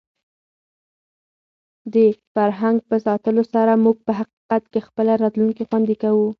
د فرهنګ په ساتلو سره موږ په حقیقت کې خپله راتلونکې خوندي کوو.